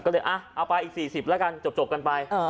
ก็เลยเอาไปอีก๔๐บาทจบกันไป